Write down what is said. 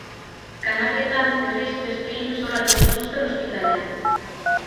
Kanarietan, berriz, beste hiru isolatu zituzten ospitalean.